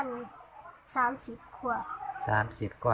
คนอายุไลน์เป็นไหนประมาณ๓๐กว่า